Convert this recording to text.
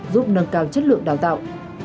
giúp nâng cao chất lượng đào tạo